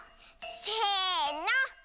せの。